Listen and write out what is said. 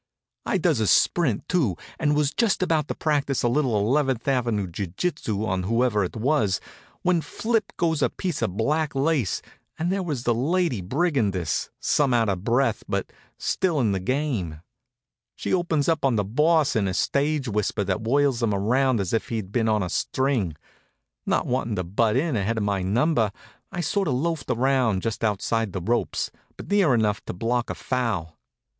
I does a sprint, too, and was just about to practise a little Eleventh Avenue jiu jitsu on whoever it was when flip goes a piece of black lace, and there was the lady brigandess, some out of breath, but still in the game. She opens up on the Boss in a stage whisper that whirls him around as if he'd been on a string. Not wantin' to butt in ahead of my number, I sort of loafed around just outside the ropes, but near enough to block a foul.